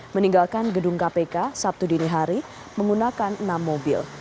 meninggalkan gedung kpk sabtu dinihari menggunakan enam mobil